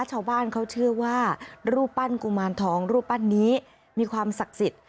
ชาวบ้านเขาเชื่อว่ารูปปั้นกุมารทองรูปปั้นนี้มีความศักดิ์สิทธิ์